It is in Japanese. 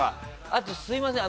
あと、すみません